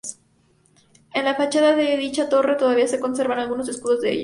En la fachada de dicha torre todavía se conservan algunos escudos de ellos.